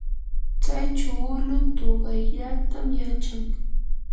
tsay chuulu tuqayllatam yachan.